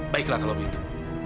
baiklah kalau begitu